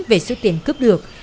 về số tiền cướp được